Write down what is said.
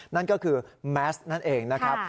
นั่นก็คือแมสนั่นเองนะครับ